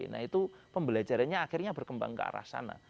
nah itu pembelajarannya akhirnya berkembang ke arah sana